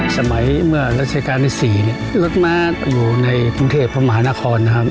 สมัยเมื่อรัชกาลที่๔เนี่ยรถม้าอยู่ในกรุงเทพพระมหานครนะครับ